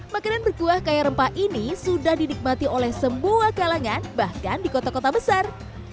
makanan berkuah kaya rempah ini sudah dinikmati oleh semua kalangan bahkan di kota kota besar